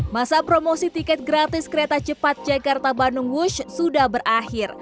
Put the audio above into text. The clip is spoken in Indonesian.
masa promosi tiket gratis kereta cepat jakarta bandung wush sudah berakhir